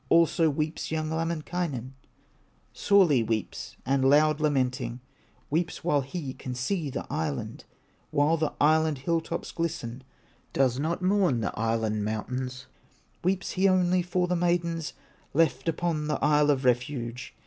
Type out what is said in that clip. Also weeps young Lemminkainen, Sorely weeps, and loud lamenting, Weeps while he can see the island, While the island hill tops glisten; Does not mourn the island mountains, Weeps he only for the maidens, Left upon the Isle of Refuge.